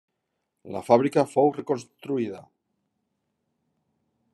La fàbrica fou reconstruïda.